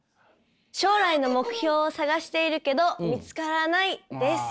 将来の目標を探しているけど見つからないです。